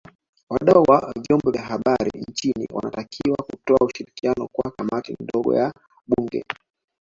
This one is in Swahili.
Wadau wa Vyombo vya Habari nchini wanatakiwa kutoa ushirikiano kwa Kamati ndogo ya Bunge